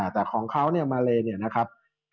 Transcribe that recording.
แต่ของเขาเนี่ยมาเลเนี่ยนะครับ